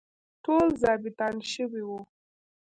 ټول ظابیطان شوي وو.